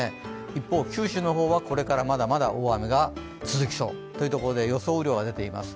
一方、九州の方はこれからまだまだ大雨が続きそう。というところで予想雨量が出ています。